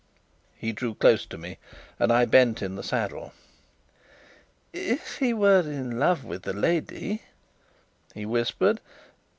He drew close to me, and I bent in the saddle. "If he were in love with the lady?" he whispered.